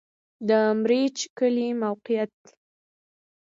د مريچ کلی موقعیت